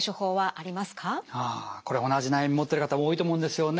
ああこれ同じ悩み持ってる方多いと思うんですよね。